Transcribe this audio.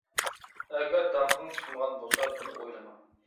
ئەگەر داڭقىڭ چىقمىغان بولسا بۇنى ئويلىما.